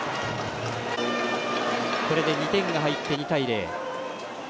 これで２点が入って２対０。